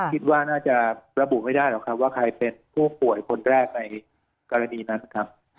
คิดว่าน่าจะระบุไม่ได้หรอกครับว่าใครเป็นผู้ป่วยคนแรกในกรณีนั้นนะครับ